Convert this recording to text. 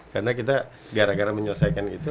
karena kita gara gara menyelesaikan itu